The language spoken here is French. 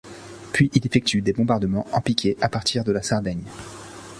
Puis il effectue des bombardements en piqué à partir de la Sardaigne.